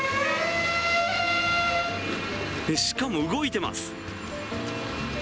しかも動いてます。